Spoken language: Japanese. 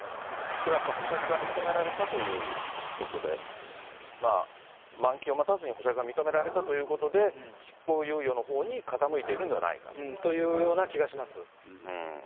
これ、やっぱり保釈が認められたということで、満期を待たずに保釈が認められたということで、執行猶予のほうに傾いているんではないかと。